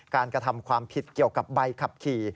กระทำความผิดเกี่ยวกับใบขับขี่